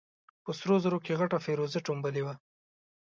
په سرو زرو کې غټه فېروزه ټومبلې وه.